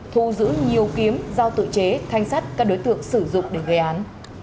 thu giữ nhiều kiếm giao tự chế thanh sắt các đối tượng sử dụng để gây án